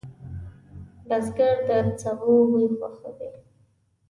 بزګر د سبو بوی خوښوي